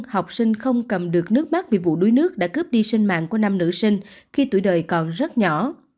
học sinh không cầm được nước mắt vì vụ đuối nước đã cướp đi sinh mạng của năm nữ sinh khi tuổi đời còn rất nhỏ